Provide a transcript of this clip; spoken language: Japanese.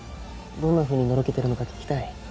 どんなふうにのろけてるのか聞きたい。